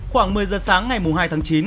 khoảng một mươi giờ sáng ngày hai tháng chín